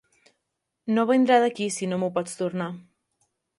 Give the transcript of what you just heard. No vindrà d'aquí si no m'ho pots tornar.